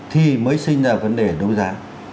thì mới sinh ra vấn đề đấu giá